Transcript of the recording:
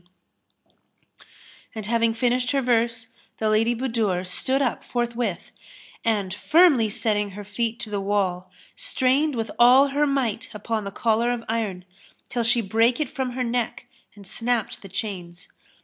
''[FN#301] And having finished her verse, the Lady Budur stood up forthwith and, firmly setting her feet to the wall, strained with all her might upon the collar of iron, till she brake it from her neck and snapped the chains.